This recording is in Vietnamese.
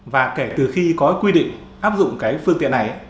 và kể từ khi có quy định áp dụng cái phương tiện này